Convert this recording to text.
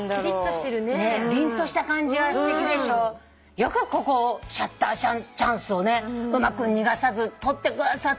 よくここシャッターチャンスを逃がさず撮ってくださった。